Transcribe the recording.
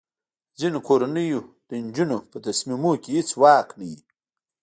د ځینو کورنیو د نجونو په تصمیمونو کې هیڅ واک نه وي.